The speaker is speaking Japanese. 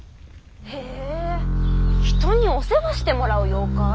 へぇ人にお世話してもらう妖怪？